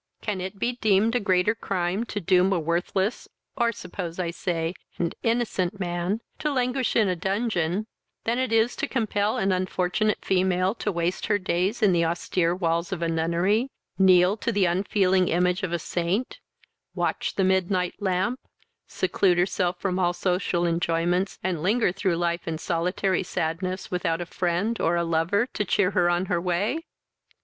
Can it be deemed a greater crime to doom a worthless, or, suppose I say, and innocent, man, to languish in a dungeon, that it is to compel an unfortunate female to waste her days in the austere walls of a nunnery, kneel to the unfeeling image of a saint, watch the midnight lamp, seclude herself from all social enjoyments, and linger through life in solitary sadness without a friend, or a lover, to cheer her on her way?"